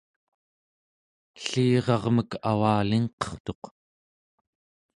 ellirarmek avalingqertuq